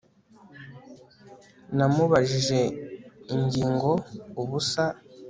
Namubajije ingingoubusa